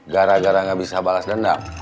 gara gara gak bisa balas dendam